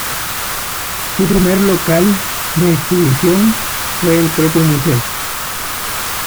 Su primer local de exhibición fue el propio Museo.